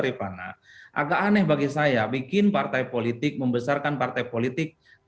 rivana agak aneh bagi saya bikin partai politik membesarkan partai politik kalau kemudian harus